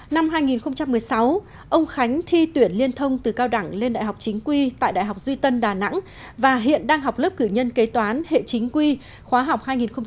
năm hai nghìn một mươi sáu ông khánh thi tuyển liên thông từ cao đẳng lên đại học chính quy tại đại học duy tân đà nẵng và hiện đang học lớp cử nhân kế toán hệ chính quy khóa học hai nghìn một mươi hai nghìn một mươi tám